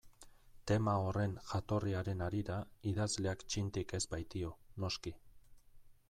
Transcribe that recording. Tema horren jatorriaren harira idazleak txintik ez baitio, noski.